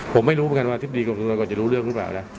ผมไม่รู้เหมือนกันว่าทิศดีกลมสุทธกาลก่อนจะรู้เรื่องรึเปล่านะ